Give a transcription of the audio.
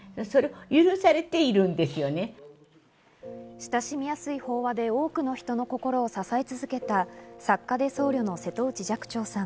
親しみやすい法話で多くの人の心を支え続けた、作家で僧侶の瀬戸内寂聴さん。